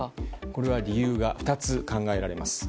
これは理由が２つ考えられます。